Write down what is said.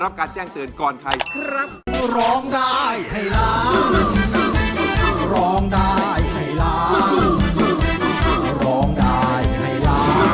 รับการแจ้งเตือนก่อนใครครับ